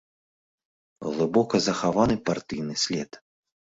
Глыбока захаваны партыйны след.